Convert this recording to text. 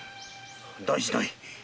大事ない。